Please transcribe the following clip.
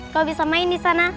kau bisa main disana